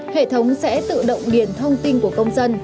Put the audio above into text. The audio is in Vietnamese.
hệ thống sẽ tự động điền thông tin của công dân